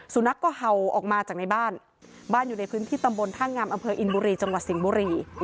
สุนัขก็เห่าออกมาจากในบ้านบ้านอยู่ในพื้นที่ตำบลท่างามอำเภออินบุรีจังหวัดสิงห์บุรี